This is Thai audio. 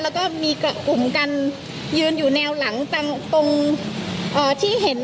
แล้วก็มีกลุ่มกันยืนอยู่แนวหลังจากตรง